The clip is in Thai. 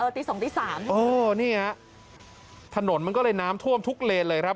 เออตีสองตีสามอ้อเนี่ยถนนมันก็เลยน้ำท่วมทุกเลนเลยครับ